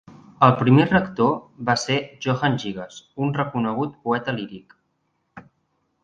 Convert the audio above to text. El primer rector va ser Johann Gigas, un reconegut poeta líric.